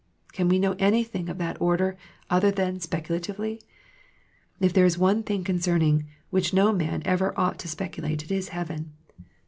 Can we know anything of that order other than speculatively ? If there is one thing concerning which no man ever ought to speculate, it is heaven.